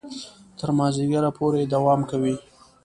تر مازیګره پورې دوام کوي.